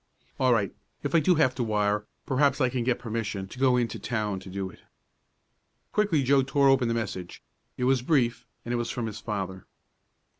"All right, if I do have to wire, perhaps I can get permission to go in to town to do it." Quickly Joe tore open the message. It was brief, and it was from his father.